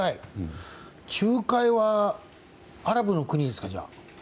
仲介はアラブの国ですか。